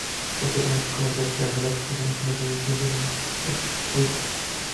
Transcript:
Posteriormente comenzó a ejercer la profesión de profesor de ciencias en una institución pública.